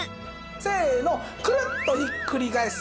せのクルッとひっくり返す。